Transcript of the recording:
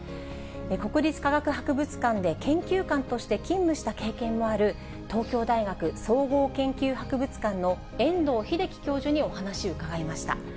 国立科学博物館で研究官として勤務した経験もある、東京大学総合研究博物館の遠藤秀紀教授にお話を伺いました。